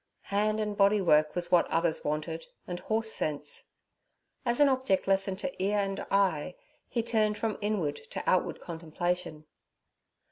Hand and body work was what others wanted, and horse sense. As an object lesson to ear and eye, he turned from inward to outward contemplation.